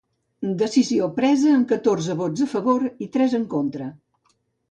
Decisió presa amb catorze vots a favor i tres en contra.